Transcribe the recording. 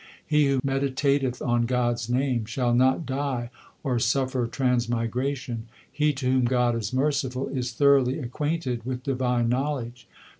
He who meditateth on God s name Shall not die or suffer transmigration. He to whom God is merciful Is thoroughly acquainted with divine knowledge.